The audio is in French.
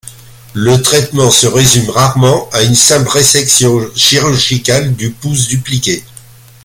Le traitement se résume rarement à une simple résection chirurgicale du pouce dupliqué.